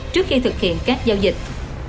trước khi thực hiện các giao dịch